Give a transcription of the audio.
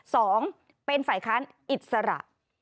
สองเป็นฝ่ายค้านอิสระ